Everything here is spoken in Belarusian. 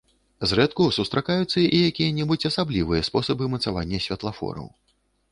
Зрэдку сустракаюцца і якія-небудзь асаблівыя спосабы мацавання святлафораў.